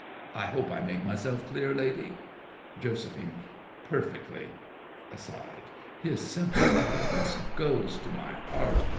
I hope I make myself clear, lady? JOS. Perfectly. (Aside.) His simple eloquence goes to my heart.